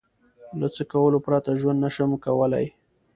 له څه کولو پرته ژوند نشم کولای؟